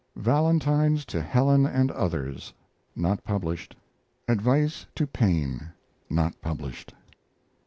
VALENTINES TO HELEN AND OTHERS (not published). ADVICE TO PAINE (not published).